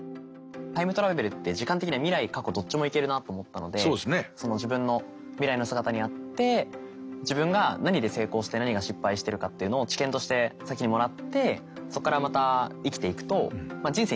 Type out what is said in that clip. タイムトラベルって時間的には未来過去どっちも行けるなと思ったので自分の未来の姿に会って自分が何で成功して何が失敗してるかっていうのを知見として先にもらってそこからまた生きていくと人生